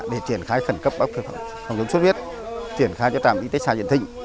để triển khai khẩn cấp bác phương phòng dùng suốt huyết triển khai cho trạm y tế xã diễn thịnh